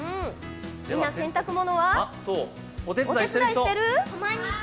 みんな洗濯物は、お手伝いしてる？